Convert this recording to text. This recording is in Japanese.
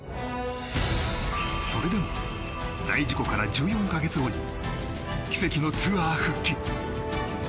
それでも大事故から１４か月後に奇跡のツアー復帰。